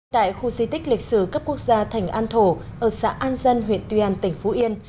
tại khu di tích lịch sử cấp quốc gia thành an thổ ở xã an dân huyện tuy an tỉnh phú yên